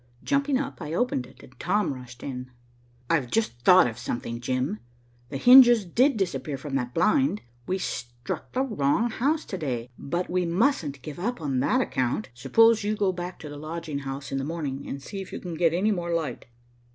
Jumping up, I opened it, and Tom rushed in. "I've just thought of something, Jim. The hinges did disappear from that blind. We struck the wrong house to day, but we mustn't give up on that account. Suppose you go back again to the lodging house in the morning, and see if you can get any more light."